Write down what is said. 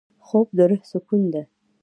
خوب د روح سکون دی